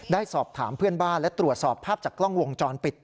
ได้สอบถามเพื่อนบ้านและตรวจสอบภาพจากกล้องวงจรปิด